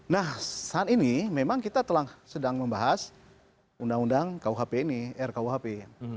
nah saat ini memang kita telah sedang membahas undang undang rkuhp ini